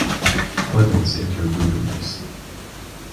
Clemens Inter Booters.